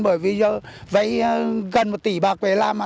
bởi vì vậy gần một tỷ bạc về làm